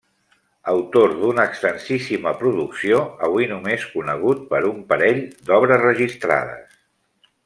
Autor d'una extensíssima producció, avui només conegut per un parell d'obres registrades.